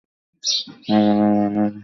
আপনি ম্যানেজার আর বড়ও, তাই।